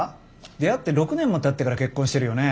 出会って６年もたってから結婚してるよね？